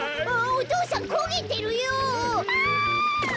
お父さんこげてるよ！